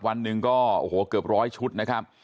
วันหนึ่งก็โอ้โหเกือบร้อยชุดนะครับ